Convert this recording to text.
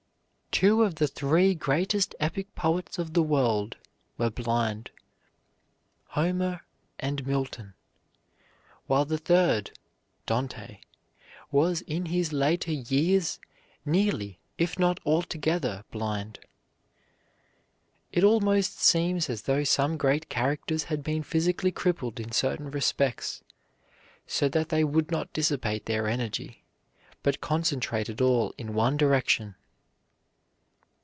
Two of the three greatest epic poets of the world were blind, Homer and Milton; while the third, Dante, was in his later years nearly, if not altogether, blind. It almost seems as though some great characters had been physically crippled in certain respects so that they would not dissipate their energy, but concentrate it all in one direction.